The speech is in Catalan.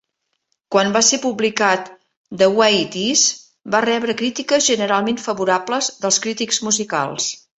Quan va ser publicat, " The Way It is" va rebre crítiques generalment favorables dels crítics musicals.